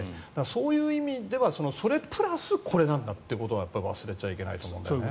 そういう意味ではそれプラスこれなんだというのは忘れちゃいけないと思うんですよね。